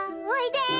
おいで。